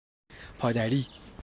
پادری